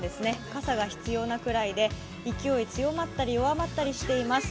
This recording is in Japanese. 傘が必要なくらいで勢いが強まったり弱まったりしています。